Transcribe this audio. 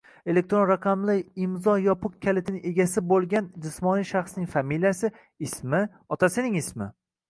elektron raqamli imzo yopiq kalitining egasi bo‘lgan jismoniy shaxsning familiyasi, ismi, otasining ismi;